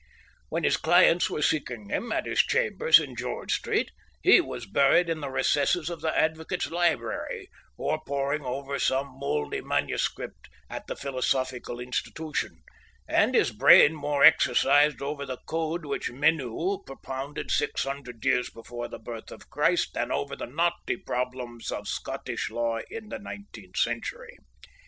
When his clients were seeking him at his chambers in George Street, he was buried in the recesses of the Advocates' Library, or poring over some mouldy manuscript at the Philosophical Institution, with his brain more exercised over the code which Menu propounded six hundred years before the birth of Christ than over the knotty problems of Scottish law in the nineteenth century.